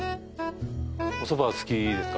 お蕎麦好きですか？